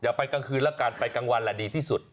ไปกลางคืนแล้วกันไปกลางวันแหละดีที่สุด